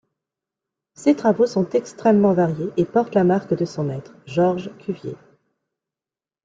Ses travaux sont extrêmement variés et portent la marque de son maître, Georges Cuvier.